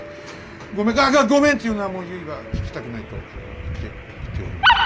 ごめああっごめんって言うのはもうゆいは聞きたくないとあの言って言っておりました。